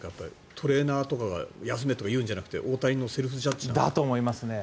トレーナーとかが休めというんじゃなくて大谷のセルフジャッジですか？